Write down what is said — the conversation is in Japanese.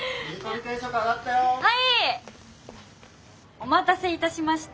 お待たせいたしました。